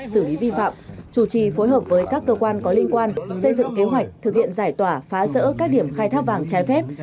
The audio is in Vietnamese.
xử lý vi phạm chủ trì phối hợp với các cơ quan có liên quan xây dựng kế hoạch thực hiện giải tỏa phá rỡ các điểm khai thác vàng trái phép